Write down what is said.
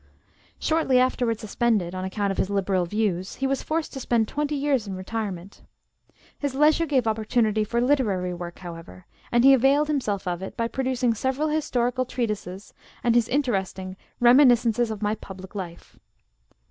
Shortly afterward suspended, on account of his liberal views, he was forced to spend twenty years in retirement. His leisure gave opportunity for literary work, however, and he availed himself of it by producing several historical treatises and his interesting 'Reminiscences of My Public Life.'